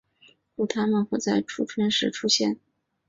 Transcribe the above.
故它们会在初春时出现。